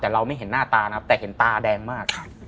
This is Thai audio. แต่เราไม่เห็นหน้าตานะครับแต่เห็นตาแดงมาก